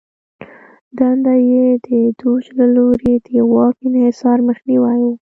دنده یې د دوج له لوري د واک انحصار مخنیوی و